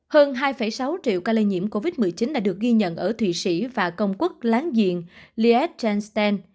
hơn hai sáu triệu ca lây nhiễm covid một mươi chín đã được ghi nhận ở thụy sĩ và công quốc láng giềng liet chan stan